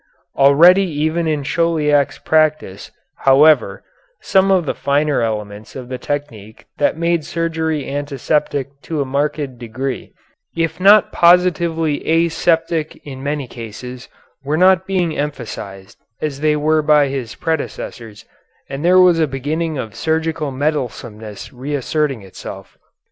Already even in Chauliac's practice, however, some of the finer elements of the technique that made surgery antiseptic to a marked degree, if not positively aseptic in many cases, were not being emphasized as they were by his predecessors, and there was a beginning of surgical meddlesomeness reasserting itself.